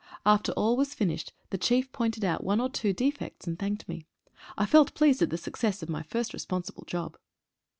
After all was finished the chief pointed out one or two defects, and thanked me. I felt pleased at the success of my first responsible job.